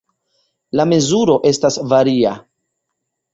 La mezuro estas varia.